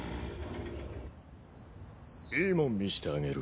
いいもん見せてあげる。